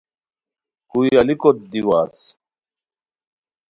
کوئی الیکوت دی واہڅ